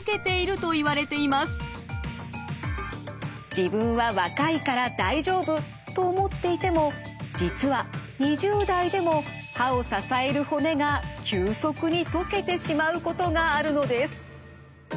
自分は若いから大丈夫と思っていても実は２０代でも歯を支える骨が急速に溶けてしまうことがあるのです。